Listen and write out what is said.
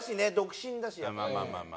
まあまあまあまあ。